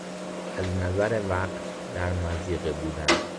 از نظر وقت در مضیقه بودن